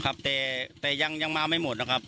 ครับแต่ยังมาไม่หมดนะครับ